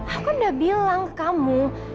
aku udah bilang ke kamu